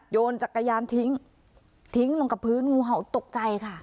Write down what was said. โยนจักรยานทิ้งทิ้งลงกับพื้นงูเห่าตกใจค่ะ